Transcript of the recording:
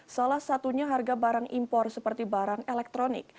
salah satunya harga barang impor seperti barang elektronik